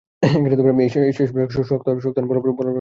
এইসব জায়গায় শক্ত আইন বলবৎ থাকলেও আরবে ছিল না।